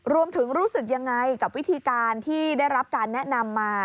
รู้สึกยังไงกับวิธีการที่ได้รับการแนะนำมา